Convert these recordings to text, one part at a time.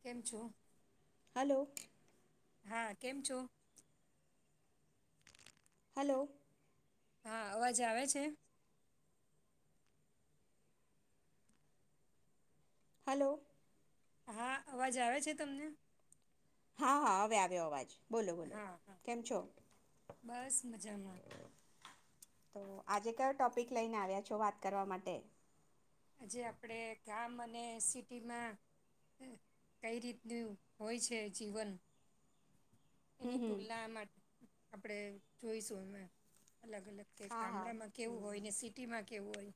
કેમ છો. હલો હા કેમ છો હલો હા અવાજે આવે છે. હલો હા અવાજ આવે છે તમને હા હા હવે આવ્યો અવાજ બોલો હા હા કેમ છો. બસ મજા. તો આજે કયો ટોપિક લઈને આવ્યા છો વાત કરવા માટે આજે આપણે ગામ અને સિટીમાં કઈ રીતનું હોય છે જીવન હમ એની હમ તુલના માટે આપણેે જોઈશું અમે અલગ અલગ કે હા હા ગામડામાં કેવું હમ હોય ને સિટીમાં કેવુ હોય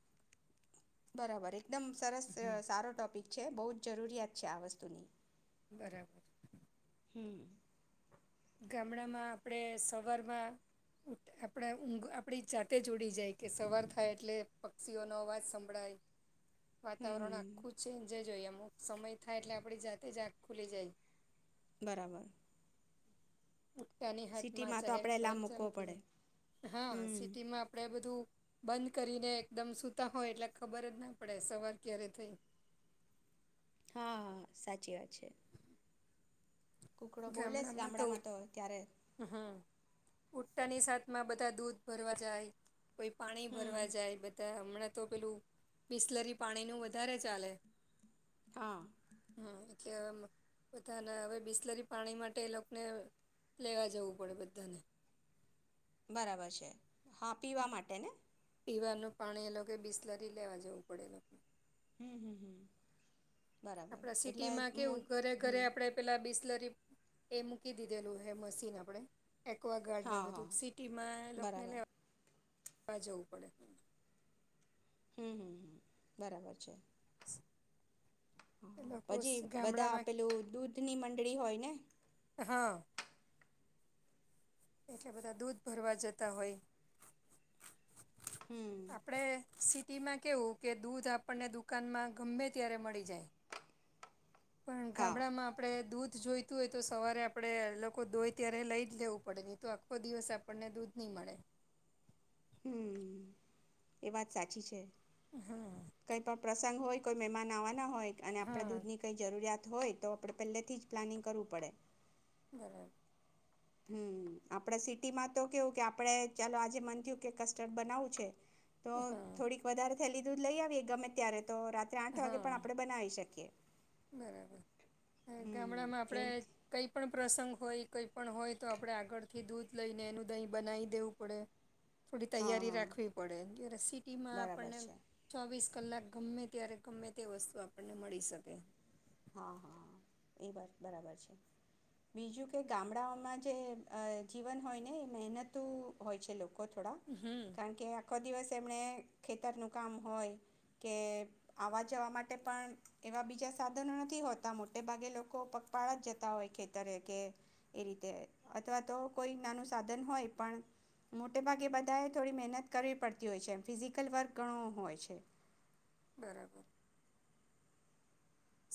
બરાબર એક એકદમ સરસ હમ સારો ટોપિક છે બહુ જરૂરિયાત છે આ વસ્તુની બરાબર હમ ગામડામાં આપણે સવારમાં આપણે ઊંઘ આપણી જાતે ઊડી જાય કે સવાર થાય એટલે પક્ષીઓનો અવાજ સંભળાય હમ હમ વાતાવરણ આખું ચેન્જ જ હોય એમ અમુક સમય થાય એટલે આપણી જાતે જ આખ ખુલી જાય. બરાબર હ ઉઠતાની હાથમાં સિટીમાં તો ચહેલ આપણે એલાર્મ પહેલ મૂકવો ચાલુ થઈ પડે જાય હા હમ સિટીમાં આપણે બધું બંધ કરીને એકદમ સૂતા હોય એટલે ખબર જ ના પડે સવાર ક્યારે થઈ. હા સાચી વાત છે. કુકડો બોલેસ ગામડામાં તો ત્યારે ઉઠતાની સાતમાં બધા દૂધ ભરવા જાય. કોઈ પાણી હમ ભરવા જાય બધા હમણાં તો પેલું બિસ્લરી પાણીનું વધારે ચાલે હા કે બધાના હવે બિસ્લરી પાણી માટે એ લોકોને લેવા જવું પડે બધાને. બરાબર છે. હા પીવા માટે ને. પીવાનું પાણી એ લોકો બિસ્લરી લેવા જવું પડે એ લોકો. હમ હમ હમ. બરાબર આપડા સિટી એટલે માં મો કેવું ઘરે ઘરે હમ આપડે પેલા બિસ્લટ. એ મૂકી દીધેલું હે મશીન આપણે. એકવાગાર્ડ ને હા હા બધું સિટીમાં એ લોકો ને બરાબર લે. આ જવું પડે. હમ હમ હમ બરાબર છે. એ લોકો પછી બધા ગામડામાં આપેલું દૂધની મંડળી હોય ને. હા એટલે બધા દૂધ ભરવા જતા હોય. હમ. આપણે સિટીમાં કહેવું કે દૂધ આપણને દુકાનમાં ગમે ત્યારે મળી જાય. પણ હા ગામડામાં આપણે દૂધ દૂધ જોઈતું હોય તો સવારે આપણે લોકો ધોય ત્યારે લઈ જ લેવું પડે નહી તો આખો દિવસ આપણને દૂધ નહીં મળે. હમ એ વાત સાચી છે. હા કઈ પણ પ્રસંગ હોય. કોઈ મહેમાન આવા ના હોય અને આપડે હા દૂધ ની કઈ જરૂરિયાત હોય તો આપડે પેલે થી જ પ્લાનિંગ કરવું પડે. બરાબ. હમ આપડા સિટીમાં તો કેવું કે આપણે ચાલો આજે મન થયું કે કસ્ટર્ડ બનાવું છે. તો હા થોડીક વધારે થેલી દૂધ લઈ આવી એ ગમે ત્યારે તો રાત્રે આઠ વાગે હા પણ આપણે બનાવી શકીએ. બરાબર હમ ગામડામાં આપડે એવું જ. કઈ પણ પ્રસંગ હોય કંઈ પણણ હોય તો આપણે આગળથી દૂધ લઈને એનું દહીં બનાવી દેવું પડે. થોડી હા તૈયારી હા રાખવી પડે સિટીમાં બરાબર આપણને છે ચોવીસ કલાક ગમે ત્યારે ગમે તે વસ્તુ આપણને મળી શકે. હા હા એ વાત બરાબર છે બીજું કે ગામડાઓમાં જે જીવન હોય ને એ મહેનતું હોય છે લોકો. થોડા હમ કારણ કે આખો દિવસ તેમણે ખેતરનું કામ હોય કે આવવા જવા માટે પણ એવા બીજા સાધ નથી હોતા મોટે ભાગે લોકો પગપાળા જ જતા હોય ખેતરે કે એ રીતે અથવા તો કોઈ નાનું સાધન હોય પણ મોટે ભાગે બધાએ થોડી મહેનત કરવી પડતી હોય છે એમ ફિઝિકલ વર્ક ઘણું હોય છે. બરાબર.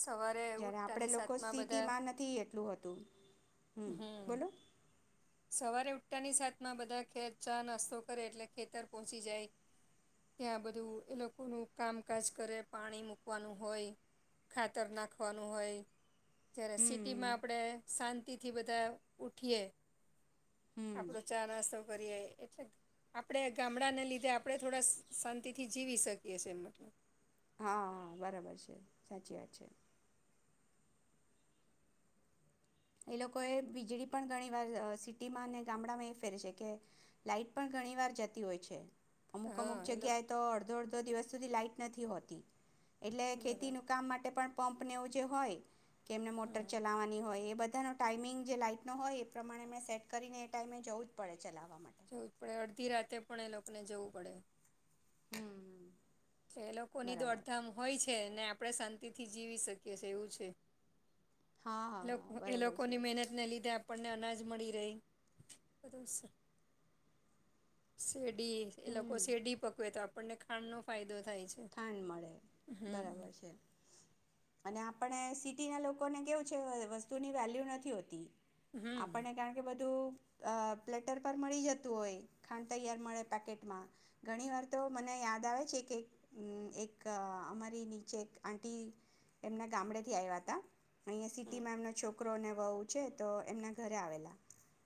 સવારે જયારે આપડે ઉઠતાની લોકો સાથમાં બધા સિટીમાં નથી એટલું હતું. હમ- સવારે ઉઠાની સાત માં બધા ખેત ચા નાસ્તો કરે એટલે ખેતર પહોંચી જાય ત્યાં બધું એ લોકોનું કામકાજ કરે પાણી મૂકવાનું હોય ખાતર નાખવાનું હોય- જયારે હમ સિટીમાં આપડે શા- તિથિ બધા ઊઠીએ- હમ આપડો ચા નાસ્તો- કરી એટલે આપણે ગામડાને લીધે આપણે થોડા શાંતિ થી જીવી શકીએ છીએ હા હા બરાબર છે સાચી વાત છે. એ લોકો એ વીજળી પણ ઘણીવાર અ સિટીમાં અને ગામડામાં એ ફેરે છે કે લાાઈટ પણ ઘણી વાર જતી હોય છે. અમુક અમુક હા એ લોકો જગ્યાએ તો અડધો અડધો દિવસ- તો તે લાઈટ નથી હોતી? એટલે ખેતી નું બરાબર કામ માટે પણ પંપ નેવું જે હોય- કે એમને હમ મોટર જવું ચલાવવાની હોય એ બધ- બધાનો ટાાઈમિંગ જે લાઈટનો હોય એ પ્રમાણે મેં સેટ કરીને એ ટાાઈમે જવું જ પડે છે. જવું જ પડે અડધી રાતે પણ એ લોકો- આપને જવું પડે- હમ તે લોકોની બરાબર દોડધામ હોય છ છે ને આપણે શાંતિ થી જીવી શકીએ છ છેએ એવું છે. હા એલોક હા બરાબર છે લોકોની મહેનત ને લીધે આપ- પણને અનાજ મળી રે બધું સ શેરડી એ લોકો હમ શેરડી પકવેતા પણને ખાનનો ફાયદો- ખાંડ મળે હમ બરાબર છે, અને- પણએ સિટીના લોકોને કેવું છે. વસ્તુની વેલ્યુ નથી હોતી. હમ આપણને કારણ કે બધુ- અ પ્લેટર પર મળી જતું હોય ખાંડ તૈયાર મળે પેકેટમાં ઘણી વાર તો મને યાદ આવે છે કે- મ એક અમારી નીચે એક આંટી એમના ગામડેથી આવ્યા હતા. અહીંયા સીટીમા એમનો છોક- કરો ને વહુ છે તો એમના ઘરે આવેલા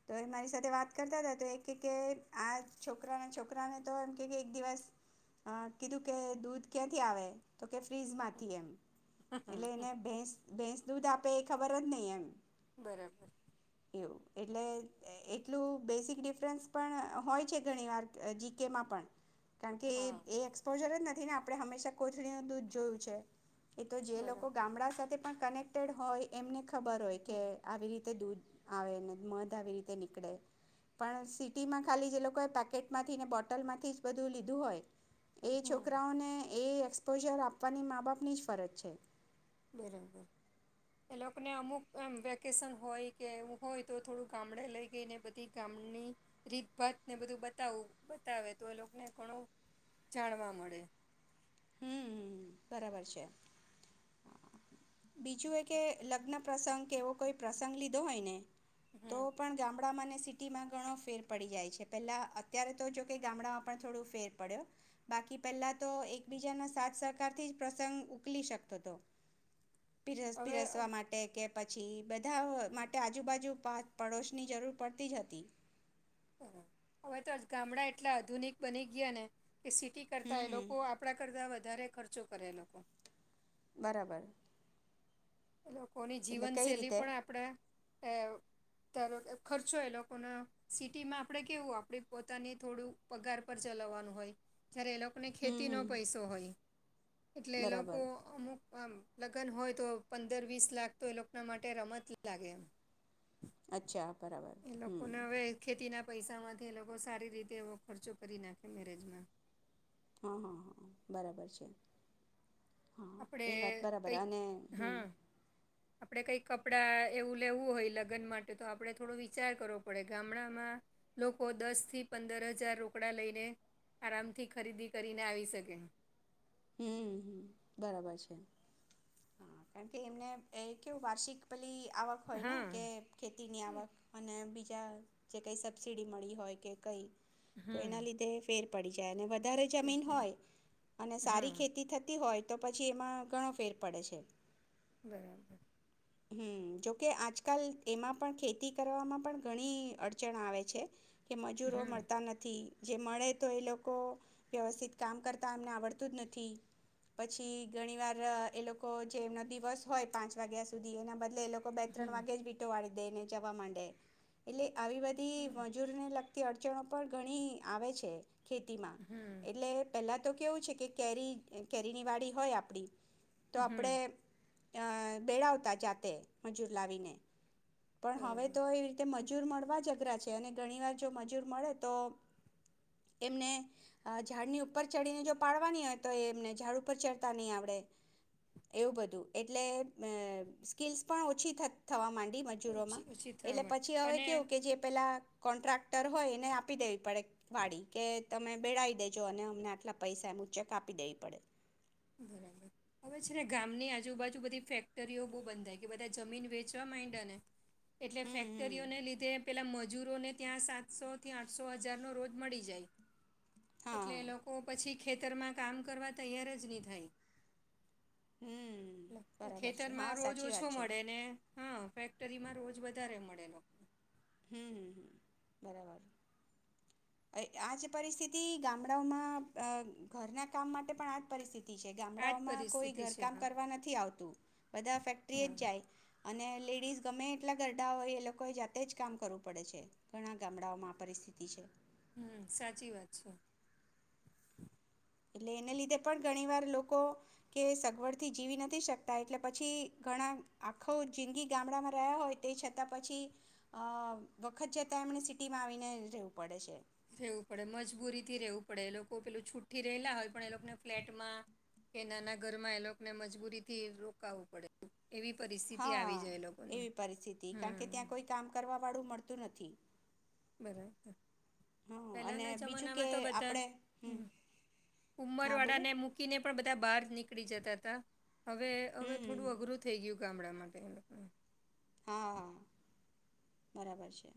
તો એ મારી સાથે વાત કરતા હતા તો એ કેકે આ છોકરાના છોકરાને તો એમ કેકે એક દિવસ અ કીધું- કે દૂધ ક્યાંથી આવે તો કે ફ્રીજ માંથી એમ. હમ એટલે એને ભેંસ ભેંસ- દુધ આપેએ ખબર જ નહી એમ. બરાબર- એવું એટલે એટલું બેઝિક ડિફરન્સ પણ હોય છે. ઘણીવાર જીકેમાં પણ. કારણ કે હા એ [unintelligible] નથી ને આપણે હંમેશા કોથળી ન દૂધ જોયું છે. એ તો જે લોકો બરાબર ગામડા સાથે પણ કનેક્ટેડ હોય. એમને ખબર હોય કે હમ આવી રીતે દૂધ આવે ને મધ આવી રીતે નીકળે પણ સિટીમાં ખાલી જે લોકોએ પેકેટમાંથી ને બોટલમાંથી જ બધું લીધું હોય. એ હમ છોકરાઓને એ પોઝર આપવાની મા બાપની જ ફરજ છે. બરાબર એ લોકોને અમુક એમ વેકેશન હોય કે એવું હોય તો થોડું ગામડે લઈ ગઈને બધી ગામડની રીતભાતને બધું બતાવું બતાવે તો એ લોકોને ઘણું જાણવા મળે. હમ બરાબર છે. બીજું એ કે લગ્ન પ્રસંગ કે એવો કોઈ પ્રસંગ લીધો હોય ને તો હમ પણ ગામડામાંને સિટીમાં ઘણો ફેર પડી જાય છે. પેલા અત્યારે તો જોકે ગામડામાં પણ થોડું ફેર પડ્યો બાકી પહેલા તો એક એક બીજાના સાથ સહકારથી જ પ્રસંગ ઉકલી શકતો હતો. પીર હવે પીરસવા હમ માટે કે પછી બધા માટે આજુબાજુ પા પડોશની જરૂર પડતી જ હતી. બરાબર હવે તો ગામડા એટલા આધુનિક બની ગયા ને કે સિટી કરતા હમ એ હમ લોકો આપણા કરતા વ વધારે ખર્ચો કરે લોકો. બરાબર લોકોની એટલે કઈ જીવનશૈલી રીતે પણ આપણા એ ધારો કે ખર્ચો એ લોકોને સિટીમાં આપણેે કેવું આપણે પોતાને થોડું પગાર પર ચલાવવાનું હોય. જયારે એ લોકોને હમ ખેતી નો હમ પૈસો હોય. એટલે એ લોકો બરાબર અમુક અ લગન હોય તો પંદર વીસ લાખ તો એ લોકોના માટે રમત લાગે. અચ્છા બરાબર હમ્મ પૈસા માંથી એ લોકો સારી રીતે એવો ખર્ચો કરી નાખે મેરેજમાં. હા હા હા બરાબર છે. હા આપણે એ વાત બરાબર કંઈક અને હા આપણે કઈક કપડાં એવું લેવું હોય લગ્ન માટે તો આપણે થોડો વિચાર કરવો પડે ગામડામાં લોકો દસ થી પંદર હજાર રોકડા લઈને આરામથી ખરીદી કરીને આવી શકે. હમ્મ બરાબર છે કારણ કે એમને કેવું વાર્ષિક પેલી આવક હોય ને હા કે ખેતી ની આવક અને બીજી જ્યાં જે કંઈ સબસિડી મળી હોય કે કંઈ એના હમ લિધે તે ફે પડી જાય ને વધારે જમીન બિલકુલ. હોય અને સારી હા ખેતી થતી હોય તો પછી એમાં ઘણો ફેર પડે છે. બરાબર. હમ્મ જોકે આજકાલ એમાં પણ ખેતી કરવામાં પણ ઘણી અડચણ આવે છે. કે મજૂરો હમ મળતા નથી. જે મળે તો એ લોકો વ્યવસ્થિત કામ કરતા એમને આવડતું જ નથી. પછી ઘણી વાર એ લોકો જે એમનો દિવસ હોય પાંચ વાગ્યા સુધી [unintelligible] એટલે એ લોકો બે ત્રણ હમ વાગે જ વી ટો વારે એને જવામાંડે એલે આવી બધી મજૂરને લગ કે અડચણો પણ ઘણી આવે છે. ખેતીમાં હમ એટલે પહેલા તો કેવું છે કે કેરી કેરીની વાડી હોય આપડી તો આપડે હમ અ બે આવ જાતે મજૂર લાવીને પણ હવે બરાબર તો એવી રીતે મજ મજૂર મળવા જ અઘરા છે અને ઘણી વાર જો મજૂર મળે તો એમને અ ઝાડની ઉપર ચડીને જો પાડવાની હોય તો એ એમને ઝાડ ઉપર ચડતા નહીં આવડે એવું બધું એટલે એમ સ્કીલ્સ પણ ઓછી થ થવા માંડી બી મજૂરોમાં ઓછી ઓછી થવા એટલે માટે પછી હવે અને કેવું કે જે પેલા કોન્ટ્રાક્ટર હોય એને આપી દેવી પડે વાડી કે તમે બેળાવી દેજો અને અમને આટલા પૈસા ઉંચક આપી દેવી પડે બરાબર હવે છે ને ગામની આજુબાજુ બધી ફેક્ટરીઓ બો બંધાઈ ગઈ બધા જમીન વેચવા માયિંડાને એટલે હમ હમ ફેક્ટરીઓને લીધે પેલાં મજૂરોને ત્યાં સાતસોથી આઠસો હજારનો રોજ મળી જાય. એટલે હા એ લોકો પછી ખેતરમાં કામ કરવા તૈયાર જ ની હમ બરાબર છે હા ખેતરમાં રોજ સાચી ઓછો વાત છે મળે ને હા ફેક્ટરીમાં રોજ વધારે મળે લોકોને હમ્મ બરાબર આજ પરિસ્થિતિ ગામડાઓમાં અ ઘરના કામ માટે પણ આજ પરિસ્થિતિ આજ ગામડાઓમાં કોઈ પરિસ્થિતિ છે ઘરકામ હા કરવા નથી આવતું બધા ફેક્ટરીએજ હા જાય અને લેડીઝ ગમે એટલા ગરડા હોય એ લોકોએ જાતે જ કામ કરવું પડે છે ઘણા ગામડાઓમાં આ પરિસ્થિતિ છે. હમ સાચી વાત છે. એટલે એને લીધે પણ ઘણી વાર લોકો કે સગવડથી જીવી નથી શકતા એટલે પછી ઘણા આખો જિંદગી ગામડામાં રહ્યા હોય તે છતાં પછી અ વખત જતા એમણે સિટીમાં આવીને રહેવું પડે છે. રહેવું પડે મજબૂરીથી રહેેવું પડે એ લોકો પેલું છુઠ્ઠી રહેલા હોય પણ એ લોકને ફ્લેટમાં કે નાના ઘરમાં એ લોકને મજબૂરી થી રોકાવવું પડે. એવી પરિસ્થિતિ હા આવી જાય એ લોકોને એવી પરિસ્થિતિ કારણ કે હમ ત્યાં કોઈ કામ કરવા વાળું મળત નથી. બરાબર હા અને પેલાના બીજું કે જમાનામાં તો બધા આપણે હમ ઉમર હા બોલો વાળાને મૂકીને પણ બધા બહાર નીકળ પકડી જત હતા. હવે હમ હવે હમ થોડું અઘરું થઈ ગયું. ગામડા માટે એ લોકોને હા. બરાબર છે.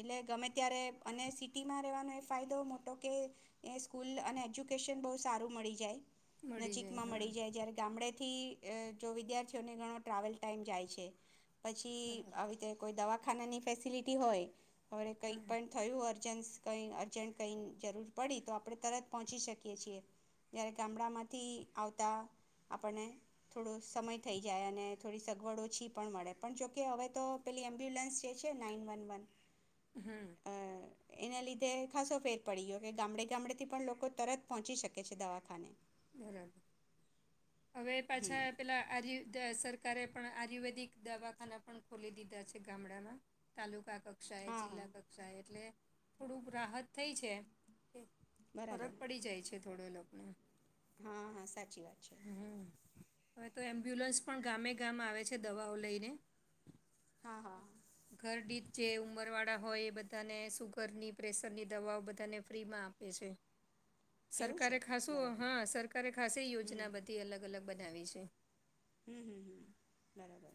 એટલે ગમે ત્યારે અને સિટીમાં રહેવાનો એ ફાયદો મોટો કે એ સ્કૂલ અને એજ્યુકેશન બહુ સારું મળી જાય. મળી જાય નજીકમાં હા. મળી જાય જયારે ગામડે થી જો વિદ્યાર્થીઓને ઘણો ટ્રાવેલ ટાઈમ જાય છે. પછી આવીતે કોઈ દવા ખાનાની ફેસિલિટી હોય. હવે કઈક પણ થયું હો. અજન્સ કંઈ અર્જન્ટ કંઈ જરૂર પડી તો આપણે તરત પહોંચી શકીએ છીએ જ્યારે ગામડામાંથી આવતા આપણને થોડો સમય થઈ જાય અને થોડી સગવડ ઓછી પણ મળે પણ જોકે હવે તો પેલી એમ્બ્યુલન્સ જે છે નાઈન વન વન. હમ અ એના લીધે. ખાસો ફેર પડી ગયો કે ગામડે ગામડેથી પણ લોકો તરત પહોંચી શકે છે દવાખાને. બરારાબર. હવે પાછા પેલા આજ. સરકારે પણ આયુર્વેદિક દવાખાના પણ ખોલી દીધા છે ગામડામાં તાલુકા ક. કક્ષાએ હા હા જિલ્લા કક્ષાએ એટલે. થોડુંક રાહત થઈ છે. બરાબર ફરક પડી જાય છે. થોડે લ આપણે. હા હા સાચી વાત છે. હવે તો એમ્બ્યુલન્સ પણ ગામે ગામ આવે છે દવાઓ લઈને. હા હા ઘરડીત. જે ઉંમરવાળા હોય એ બધાને શુગરની પ્રેશરની દવાઓ બધાને ફ્રીમાં આપે છે. એવું છે સરકારે ખાસું બરાબર હા સરકારે ખાસ હમ યોજા. તેથી અલગ અલગ બનાવી છે. હમ હમ હમ બરાબર.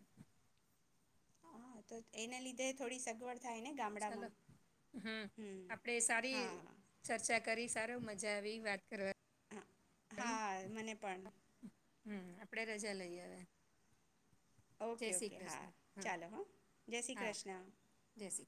હા તો એને લીધે થોડી સગવડ થાય ને ચાલો ગામડામાં હમ આપડે સારી હા ચર્ચા કરીશ. સારો મજા આવી વાત કરવા. હા હા મને પણ. હમ આપડે રજા લઈ આવે. ઓકે ઓકે હા ચાલો હા જય શ્રી કૃષ્ણ. શ્રી કૃષ્ણ.